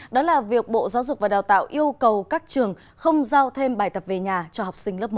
đó là việc bộ giáo dục và đào tạo yêu cầu các trường không giao thêm bài tập về nhà cho học sinh lớp một